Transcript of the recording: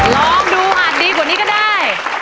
ลองดูอาจดีกว่านี้ก็ได้